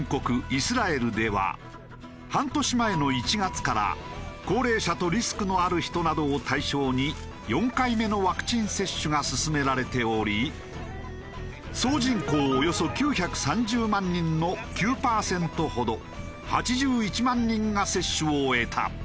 イスラエルでは半年前の１月から高齢者とリスクのある人などを対象に４回目のワクチン接種が進められており総人口およそ９３０万人の９パーセントほど８１万人が接種を終えた。